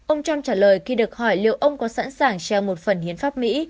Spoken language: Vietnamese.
ông trump trả lời khi được hỏi liệu ông có sẵn sàng treo một phần hiến pháp mỹ